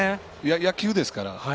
野球ですから。